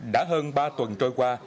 đã hơn ba tuần trôi qua